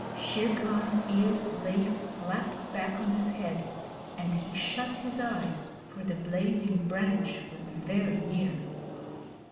Shere Khan's ears lay flat back on his head, and he shut his eyes, for the blazing branch was very near.